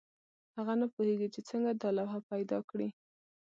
هغه نه پوهېږي څنګه دا لوحه پیدا کړي.